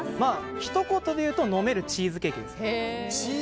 ひと言でいうと飲めるチーズケーキです。